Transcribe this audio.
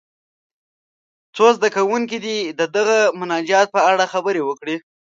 څو زده کوونکي دې د دغه مناجات په اړه خبرې وکړي.